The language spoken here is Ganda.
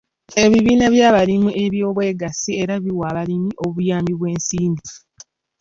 Ebibiina by'abalimi eby'obwegassi era biwa abalimi obuyambi bw'ensimbi.